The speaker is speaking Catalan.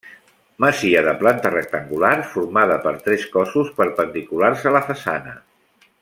Masia de planta rectangular formada per tres cossos perpendiculars a la façana.